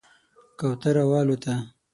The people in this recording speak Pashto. کوتره والوته